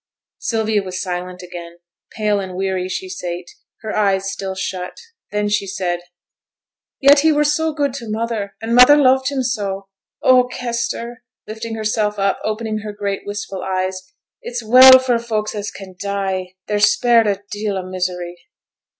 Sylvia was silent again: pale and weary she sate, her eyes still shut. Then she said, 'Yet he were so good to mother; and mother loved him so. Oh, Kester!' lifting herself up, opening her great wistful eyes, 'it's well for folks as can die; they're spared a deal o' misery.'